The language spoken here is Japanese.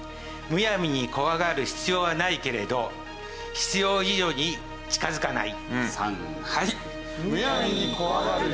無闇に怖がる必要はないけれど必要以上に近づかない。